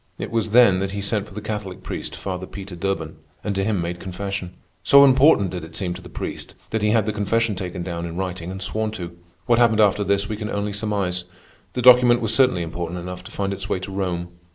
It was then that he sent for the Catholic priest, Father Peter Durban, and to him made confession. So important did it seem to the priest, that he had the confession taken down in writing and sworn to. What happened after this we can only surmise. The document was certainly important enough to find its way to Rome.